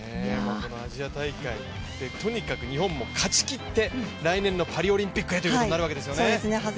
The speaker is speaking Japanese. アジア大会で、とにかく日本も勝ちきって、来年のパリオリンピックへということになるわけですね。